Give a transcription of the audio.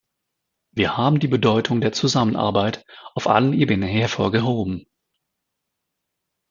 Wir haben die Bedeutung der Zusammenarbeit auf allen Ebenen hervorgehoben.